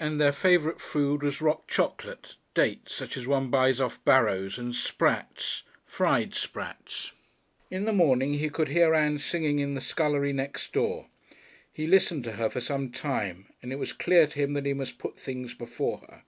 And their favourite food was rock chocolate, dates, such as one buys off barrows, and sprats fried sprats.... In the morning he could hear Ann singing in the scullery next door. He listened to her for some time, and it was clear to him that he must put things before her.